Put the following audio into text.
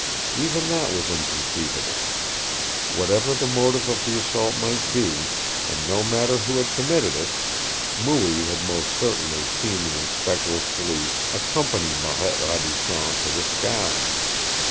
Even that was inconceivable. Whatever the motive of the assault might be, and no matter who had committed it, Mooie had most certainly seen the Inspector of Police accompany Marette Radisson to the scow.